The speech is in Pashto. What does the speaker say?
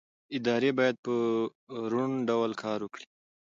ادارې باید په روڼ ډول کار وکړي